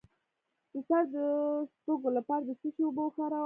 د سر د سپږو لپاره د څه شي اوبه وکاروم؟